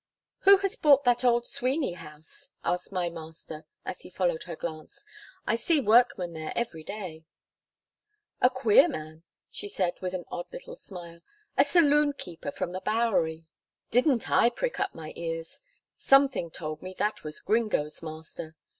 "Who has bought that old Sweeney house?" asked my Master, as he followed her glance. "I see workmen there every day." "A queer man," she said with an odd little smile, "a saloon keeper from the Bowery." Didn't I prick up my ears! Something told me that was Gringo's master.